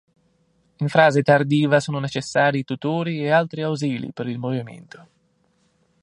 In fase tardiva sono necessari tutori e altri ausili per il movimento.